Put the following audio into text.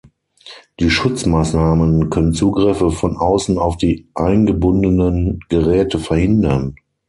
Die Schutzmaßnahmen können Zugriffe von außen auf die eingebundenen Geräte verhindern.